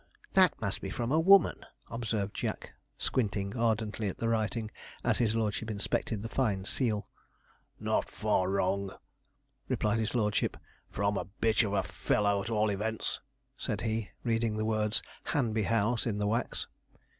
'That must be from a woman,' observed Jack, squinting ardently at the writing, as his lordship inspected the fine seal. 'Not far wrong,' replied his lordship. 'From a bitch of a fellow, at all events,' said he, reading the words 'Hanby House' in the wax.